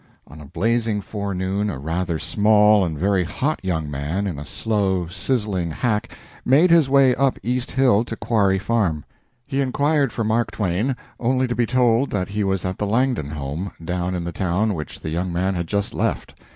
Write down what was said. On a blazing forenoon a rather small and very hot young man, in a slow, sizzling hack made his way up East Hill to Quarry Faun. He inquired for Mark Twain, only to be told that he was at the Langdon home, down in the town which the young man had just left.